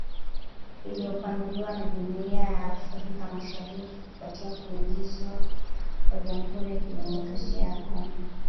iliyopanuliwa ya Jumuiya ya Afrika Mashariki kufuatia kuingizwa kwa Jamhuri ya Kidemokrasi ya Kongo